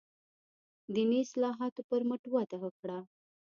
دیني اصلاحاتو پر مټ وده وکړه.